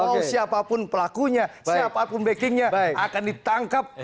mau siapapun pelakunya siapapun backingnya akan ditangkap